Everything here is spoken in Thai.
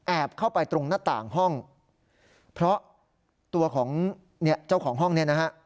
เข้าไปตรงหน้าต่างห้องเพราะตัวของเนี่ยเจ้าของห้องเนี่ยนะฮะ